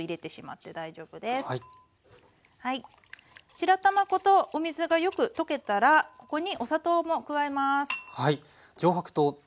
白玉粉とお水がよく溶けたらここにお砂糖も加えます。